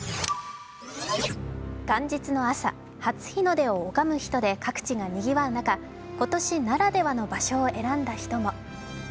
元日の朝、初日の出を拝む人で各地がにぎわう中、今年ならではの場所を選んだ人も。